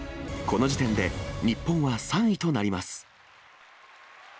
この時点で、日本は３位となります。